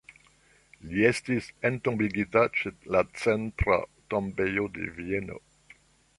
Li estis entombigita ĉe la Centra Tombejo de Vieno.